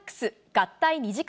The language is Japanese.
合体２時間